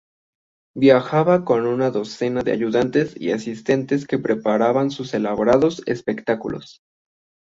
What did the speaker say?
Viajaba con una docena de ayudantes y asistentes que preparaban sus elaborados espectáculos.